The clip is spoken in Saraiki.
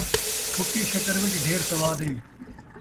کُھٹی شکر وِچ ڈھیر سواد ہے